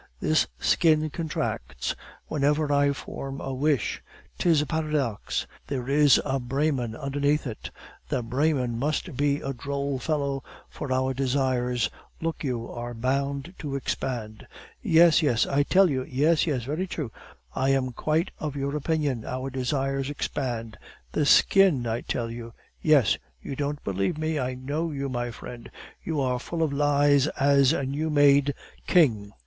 This skin contracts whenever I form a wish 'tis a paradox. There is a Brahmin underneath it! The Brahmin must be a droll fellow, for our desires, look you, are bound to expand " "Yes, yes " "I tell you " "Yes, yes, very true, I am quite of your opinion our desires expand " "The skin, I tell you." "Yes." "You don't believe me. I know you, my friend; you are as full of lies as a new made king."